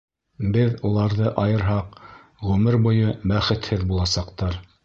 Беҙ уларҙы айырһаҡ, ғүмер буйы бәхетһеҙ буласаҡтар.